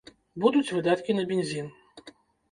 Будуць выдаткі на бензін.